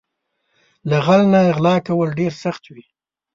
له غل نه غلا کول ډېر سخت وي